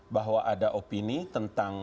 bahwa ada opini tentang